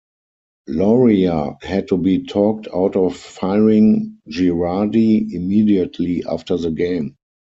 Loria had to be talked out of firing Girardi immediately after the game.